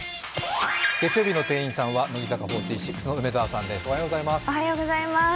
月曜日の店員さんは乃木坂４６の梅澤さんです。